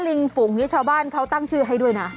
ลิงฝุงนี้ชาวบ้านเขาตั้งชื่อให้ด้วยนะ